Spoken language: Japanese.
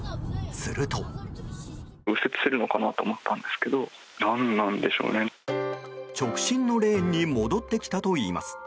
すると直進のレーンに戻ってきたといいます。